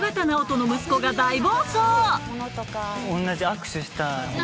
同じ握手したい。